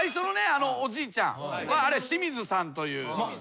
あのおじいちゃんは清水さんという。